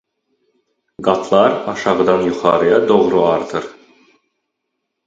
Qatlar aşağıdan yuxarıya doğru artır.